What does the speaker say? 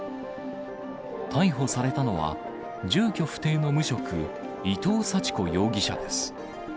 逮捕されたのは、住居不定の無職、伊藤祥子容疑者です。